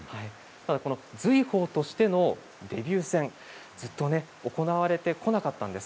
瑞宝としてのデビュー戦ずっと行われてこなかったんです。